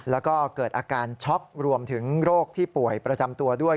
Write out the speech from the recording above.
แล้วก็เกิดอาการช็อกรวมถึงโรคที่ป่วยประจำตัวด้วย